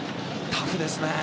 タフですね。